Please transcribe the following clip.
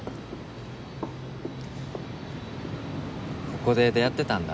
ここで出会ってたんだ。